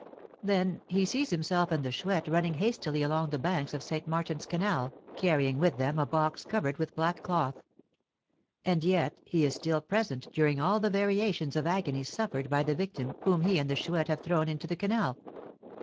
Then he sees himself and the Chouette running hastily along the banks of St. Martin's Canal, carrying with them a box covered with black cloth; and yet he is still present during all the variations of agony suffered by the victim whom he and the Chouette have thrown into the canal.